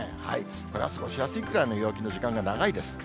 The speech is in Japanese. これは過ごしやすいくらいの陽気の時間が長いです。